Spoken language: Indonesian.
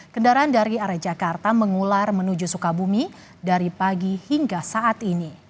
kendaraan dari arah jakarta mengular menuju sukabumi dari pagi hingga saat ini